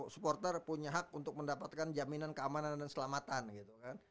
supporter punya hak untuk mendapatkan jaminan keamanan dan selamatan gitu kan